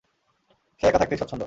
সে একা থাকতেই স্বচ্ছন্দ।